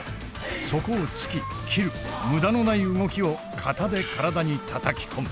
そこを突き斬る無駄のない動きを型で体にたたき込む。